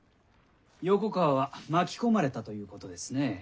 横川は巻き込まれたということですね。